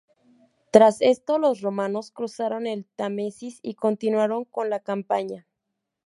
Tras esto los romanos cruzaron el Támesis y continuaron con la campaña.